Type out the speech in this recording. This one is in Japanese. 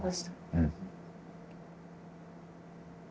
うん。